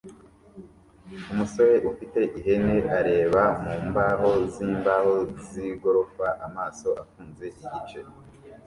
Umusore ufite ihene areba mu mbaho zimbaho z'igorofa amaso afunze igice